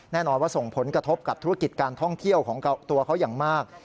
แน่นอนว่าส่งผลกระทบกับธุรกิจการท่องเที่ยวของตัวเขาอย่างมาก